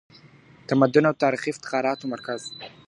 تمدن او تاریخي افتخاراتو مرکز .